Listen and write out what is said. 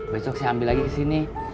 besok saya ambil lagi ke sini